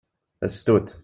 A sstut!